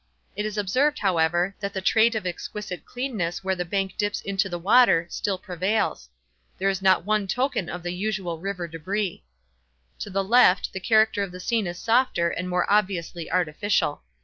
It is observed, however, that the trait of exquisite cleanness where the bank dips into the water, still prevails. There is not one token of the usual river débris. To the left the character of the scene is softer and more obviously artificial.